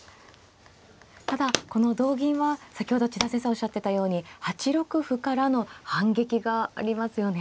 ただこの同銀は先ほど千田先生おっしゃってたように８六歩からの反撃がありますよね。